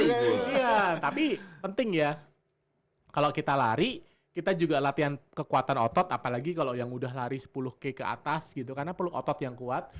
iya tapi penting ya kalau kita lari kita juga latihan kekuatan otot apalagi kalau yang udah lari sepuluh k ke atas gitu karena perlu otot yang kuat